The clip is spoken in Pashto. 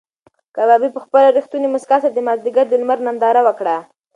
کبابي په خپله رښتونې موسکا سره د مازدیګر د لمر ننداره وکړه.